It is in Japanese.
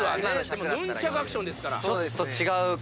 でもヌンチャクアクションですから。